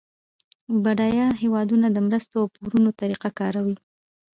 بډایه هیوادونه د مرستو او پورونو طریقه کاروي